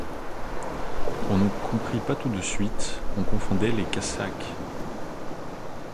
On ne comprit pas tout de suite, on confondait les casaques.